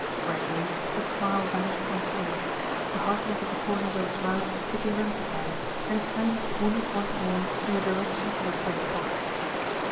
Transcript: Gradually the smile vanished from his face, the hard ness at the corners of his mouth became emphasised, and his hand wandered once more in the direction of his breast pocket.